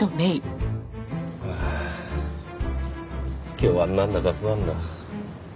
今日はなんだか不安だ。